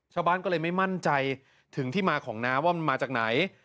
ชาวบ้านก็เลยไม่มั่นใจถึงที่มาของน้ำว่ามันมาจากไหน